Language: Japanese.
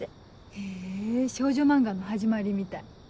へぇ少女漫画の始まりみたい。